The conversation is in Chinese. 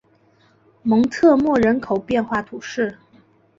蒙特莫人口变化图示